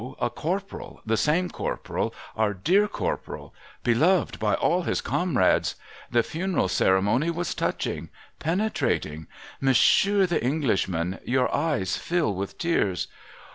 A Corporal, the same Corporal, our dear Corporal. Beloved by all his comrades. The funeral ceremony was touching, •— penetrating. Monsieur The Englishman, your eyes fill with tears.'